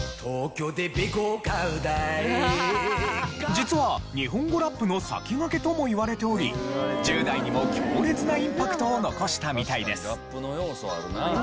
実は日本語ラップの先駆けともいわれており１０代にも強烈なインパクトを残したみたいです。